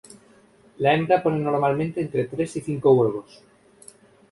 La hembra pone normalmente entre tres y cinco huevos.